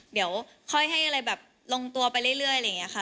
เดี๋ยวค่อยให้อะไรแบบลงตัวไปเรื่อยอะไรอย่างนี้ค่ะ